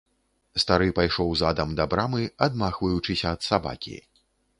Стары пайшоў задам да брамы, адмахваючыся ад сабакі.